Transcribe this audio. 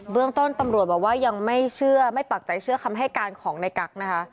เรื่องต้นตำรวจบอกว่ายังไม่เชื่อไม่ปักใจเชื่อคำให้การของในกั๊กนะคะ